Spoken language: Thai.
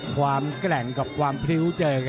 ความแกร่งกับความพริ้วเจอกันไงท่านผู้ชมครับ